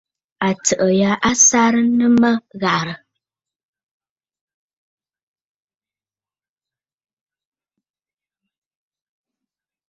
Àtsə̀ʼə̀ já á sáʼánə́mə́ ghàrə̀.